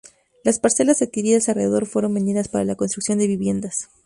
Las parcelas adquiridas alrededor fueron vendidas para la construcción de viviendas.